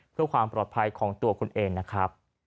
เพื่อความปลอดภัยของตัวคุณเองนะครับ